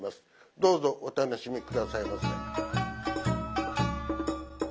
どうぞお楽しみ下さいませ。